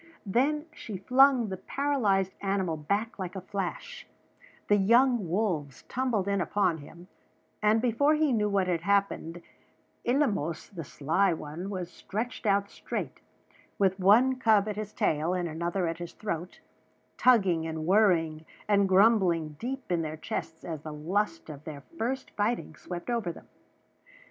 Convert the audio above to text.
Then she flung the paralyzed animal back like a flash; the young wolves tumbled in upon him; and before he knew what had happened Eleemos the Sly One was stretched out straight, with one cub at his tail and another at his throat, tugging and worrying and grumbling deep in their chests as the lust of their first fighting swept over them.